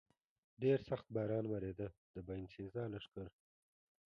ډېر سخت باران ورېده، د باینسېزا لښکر.